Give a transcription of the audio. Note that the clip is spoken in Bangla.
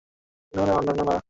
না, না, না, অনন্যা, না।